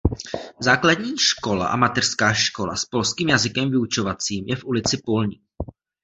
Základní škola a mateřská škola s polským jazykem vyučovacím je v ulici "Polní".